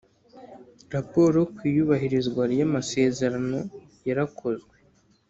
Raporo ku iyubahirizwa ry’amasezerano yarakozwe